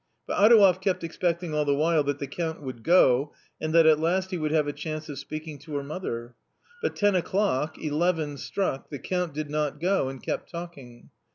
But Adouev kept expecting all the while that the Count would go, and that at last he would have a chance of speak ing to her mother. But ten o'clock, eleven struck, the Count did not go, and kept talking.